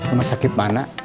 rumah sakit mana